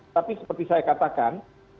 tapi seperti saya katakan